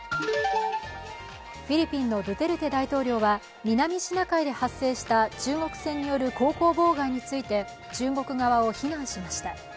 フィリピンのドゥテルテ大統領は南シナ海で発生した中国船による航行妨害について中国側を非難しました。